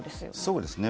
そうですね。